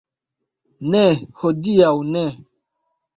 Ne, hodiaŭ ne